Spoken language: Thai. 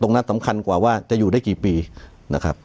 สำคัญกว่าว่าจะอยู่ได้กี่ปีนะครับ